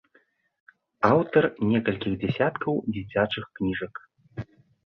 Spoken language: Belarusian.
Аўтар некалькіх дзясяткаў дзіцячых кніжак.